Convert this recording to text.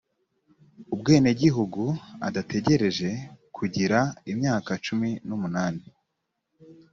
ubwenegihugu adategereje kugira imyaka cumi n umunani